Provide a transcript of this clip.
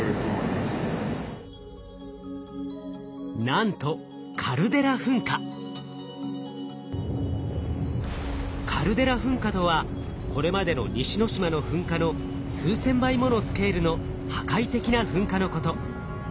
なんとカルデラ噴火とはこれまでの西之島の噴火の数千倍ものスケールの破壊的な噴火のこと。